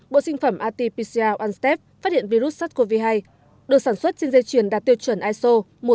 bộ sinh phẩm rt pcr một step phát hiện virus sars cov hai được sản xuất trên dây chuyền đạt tiêu chuẩn iso một trăm ba mươi bốn